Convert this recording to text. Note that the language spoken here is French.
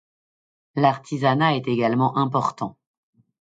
L'artisanat est également important.